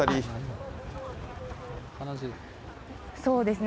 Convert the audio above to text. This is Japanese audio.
そうですね。